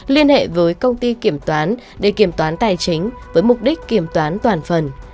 liên hệ với công ty kiểm toán để kiểm toán tài chính với mục đích kiểm toán toàn phần